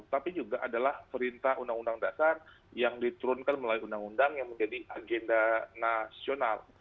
tapi juga adalah perintah undang undang dasar yang diturunkan melalui undang undang yang menjadi agenda nasional